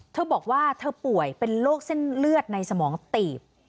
เธอบอกว่าเธอป่วยเป็นโรคเส้นเลือดในสมองตีบ